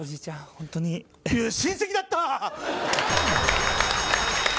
ホントにいや親戚だった！